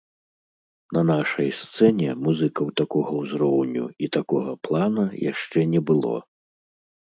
На нашай сцэне музыкаў такога ўзроўню і такога плана яшчэ не было.